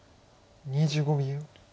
２５秒。